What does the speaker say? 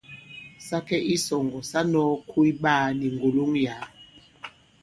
Sa kɛ i isɔ̀ŋgɔ̀ sa nɔ̄ɔ koy ɓaā ni ŋgòloŋ yǎ.